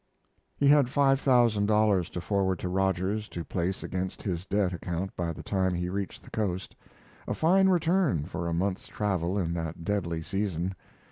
He had five thousand dollars to forward to Rogers to place against his debt account by the time he reached the Coast, a fine return for a month's travel in that deadly season.